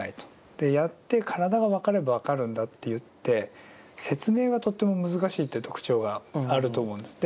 やって体が分かれば分かるんだといって説明がとっても難しいっていう特徴があると思うんです。